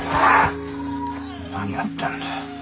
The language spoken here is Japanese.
何やってんだよ。